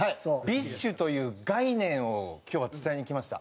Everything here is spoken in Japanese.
ＢｉＳＨという概念を今日は伝えに来ました。